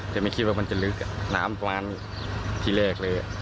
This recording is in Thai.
แต่ไม่คิดว่ามันจะลึกอ่ะน้ำตรงนั้นที่แรกเลยอ่ะ